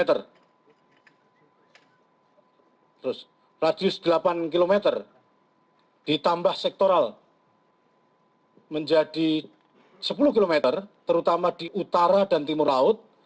terus radius delapan km ditambah sektoral menjadi sepuluh km terutama di utara dan timur laut